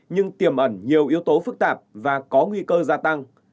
nhưng tiềm ẩn nhiều yếu tố phức tạp và có nguy cơ gia tăng